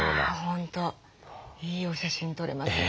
本当いいお写真撮れますよ